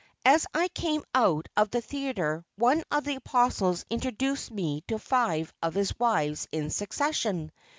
As I came out of the theatre one of the Apostles introduced me to five of his wives in succession!